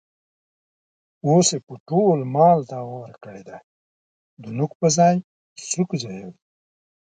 اوس یې په ټول مال دعوه ورکړې ده. د نوک په ځای سوک ځایوي.